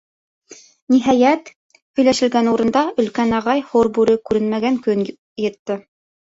Ниһайәт, һөйләшелгән урында Өлкән Ағай — Һорбүре күренмәгән көн етте.